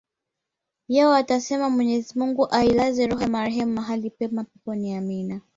yao watasema mwenyezi mungu ailaze roho ya marehemu mahali pema peponi amina